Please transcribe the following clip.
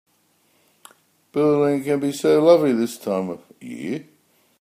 Berlin can be so lovely this time of year.